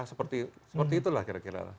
seperti itulah kira kira